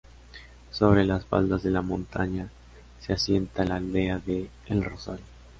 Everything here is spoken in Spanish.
Sobre las faldas de la montaña se asienta la aldea de "El Rosal".